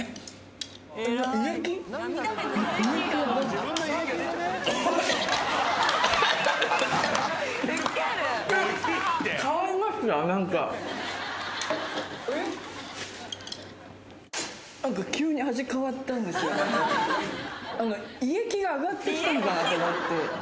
胃液が上がってきたのかなと思って。